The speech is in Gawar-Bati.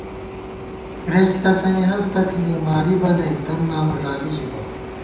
کرېچ تسَنی ہستہ تھنی، مارِبہ نئ دَن نامہ ݫالَئ ژِبہ